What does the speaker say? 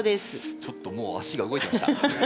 ちょっともう足が動いてました。